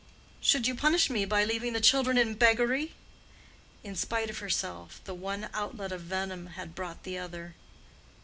"Should you punish me by leaving the children in beggary?" In spite of herself, the one outlet of venom had brought the other.